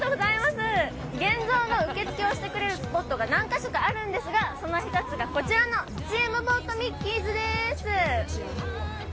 現像の受付をしてくれるスポットが何か所かあるんですがその１つがこちらのスチームボート・ミッキーズです。